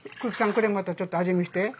これまたちょっと味見して。